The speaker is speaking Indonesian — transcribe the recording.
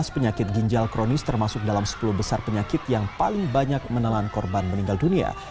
dua belas penyakit ginjal kronis termasuk dalam sepuluh besar penyakit yang paling banyak menelan korban meninggal dunia